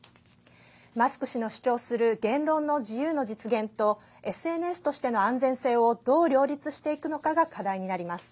マスク氏の主張する言論の自由の実現とＳＮＳとしての安全性をどう両立していくのかが課題になります。